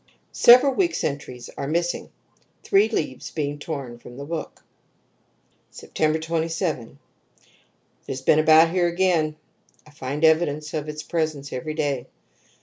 ..." Several weeks' entries are missing, three leaves being torn from the book. "Sept. 27. It has been about here again I find evidences of its presence every day.